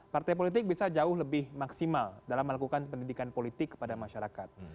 partai politik bisa jauh lebih maksimal dalam melakukan pendidikan politik kepada masyarakat